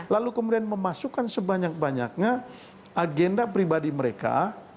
lalu kemudian memasukkan sebanyak banyaknya agenda pribadi mereka